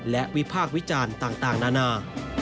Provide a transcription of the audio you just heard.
และวิพากษ์วิจารณ์ต่างนานา